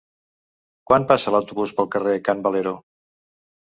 Quan passa l'autobús pel carrer Can Valero?